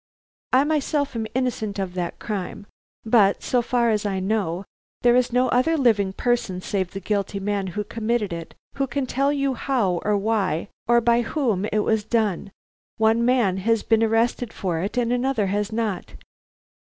I myself am innocent of that crime, but, so far as I know, there is no other person living save the guilty man who committed it, who can tell you how or why or by whom it was done. One man has been arrested for it and another has not.